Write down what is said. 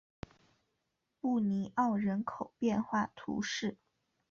布尼欧人口变化图示